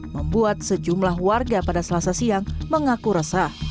membuat sejumlah warga pada selasa siang mengaku resah